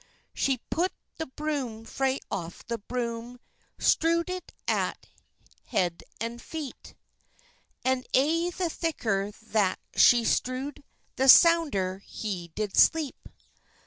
She pu'd the bloom frae off the broom, Strew'd it at 's head and feet, And aye the thicker that she strewd, The sounder he did sleep.